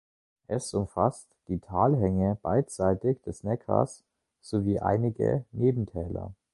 Es umfasst die Talhänge beidseitig des Neckars sowie einige Nebentäler.